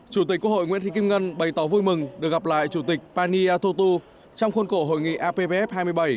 chủ tịch quốc hội nguyễn thị kim ngân bày tỏ vui mừng được gặp lại chủ tịch paniyatotu trong khuôn cổ hội nghị apbf hai mươi bảy